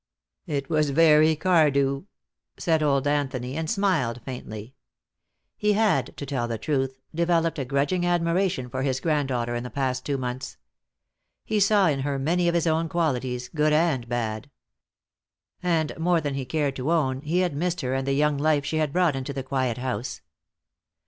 "It was very Cardew," said old Anthony, and smiled faintly. He had, to tell the truth, developed a grudging admiration for his granddaughter in the past two months. He saw in her many of his own qualities, good and bad. And, more than he cared to own, he had missed her and the young life she had brought into the quiet house.